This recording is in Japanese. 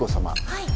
はい。